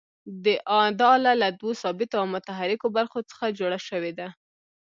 دا آله له دوو ثابتو او متحرکو برخو څخه جوړه شوې ده.